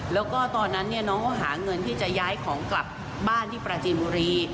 แล้วก็ตอนนั้นน้องเขาหาเงินที่จะย้ายของกลับบ้านที่ปราจีนบุรี